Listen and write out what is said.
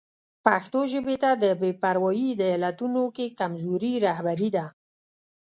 پښتو ژبې ته د بې پرواهي د علتونو کې کمزوري رهبري ده.